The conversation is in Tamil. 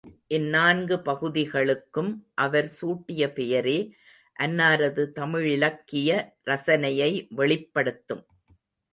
இந்நான்கு பகுதிகளுக்கும் அவர் சூட்டிய பெயரே அன்னாரது தமிழிலக்கிய ரசனையை வெளிப்படுத்தும்.